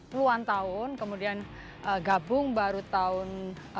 puluhan tahun kemudian gabung baru tahun dua ribu enam belas